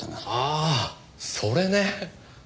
ああそれね。